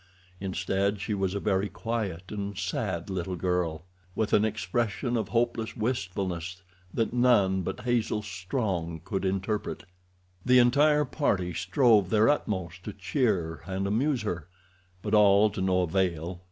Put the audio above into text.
Instead she was a very quiet and sad little girl—with an expression of hopeless wistfulness that none but Hazel Strong could interpret. The entire party strove their utmost to cheer and amuse her, but all to no avail.